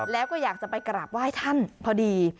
แล้วก็อยากจะไปกราบไหว้ท่านพอดี